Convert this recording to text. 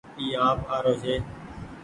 اي آپ آرو ڇي